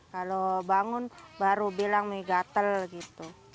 kalau bangun baru bilang nih gatel gitu